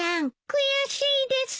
悔しいです。